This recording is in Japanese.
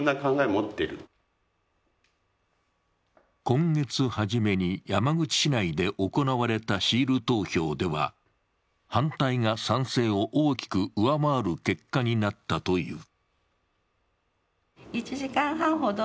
今月初めに山口市内で行われたシール投票では、反対が賛成を大きく上回る結果になったという。